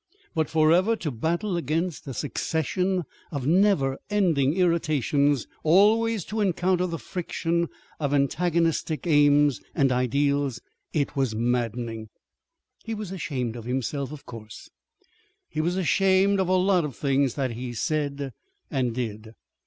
But forever to battle against a succession of never ending irritations, always to encounter the friction of antagonistic aims and ideals it was maddening. He was ashamed of himself, of course. He was ashamed of lots of things that he said and did.